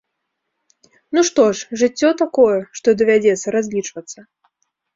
Ну што ж, жыццё такое, што давядзецца разлічвацца.